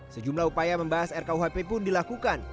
sejumlah upaya membahas rkuhp pun dilakukan